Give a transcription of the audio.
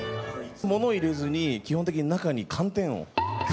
ものを入れずに、基本的に中に寒天を。